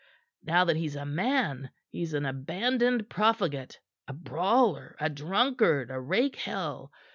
Now that he's a man, he's an abandoned profligate, a brawler, a drunkard, a rakehell.